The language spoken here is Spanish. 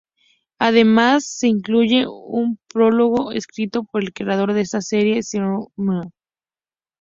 Además, se incluye un prólogo escrito por el creador de esta serie Shigeru Miyamoto.